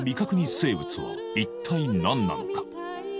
生物は一体何なのか